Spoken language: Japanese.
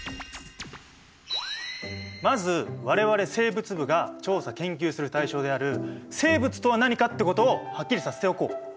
まず我々生物部が調査・研究する対象である生物とは何かってことをはっきりさせておこう。